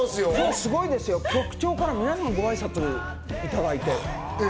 すごいですよ、局長から全員にごあいさついただいて。